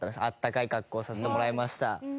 あったかい格好させてもらいました。